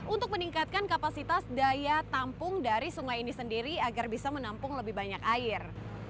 untuk meningkatkan kapasitas daya tampung dari sungai ini sendiri agar bisa menampung lebih banyak air